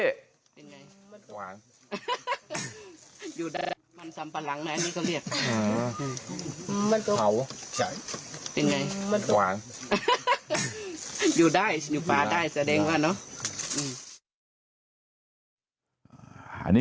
อันนี้คืออะไรนะ